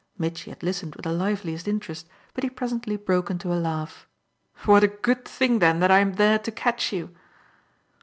Mitchy had listened with the liveliest interest, but he presently broke into a laugh. "What a good thing then that I'm there to catch you!"